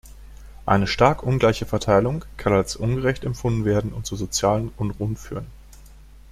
Eine stark ungleiche Verteilung kann als ungerecht empfunden werden und zu sozialen Unruhen führen.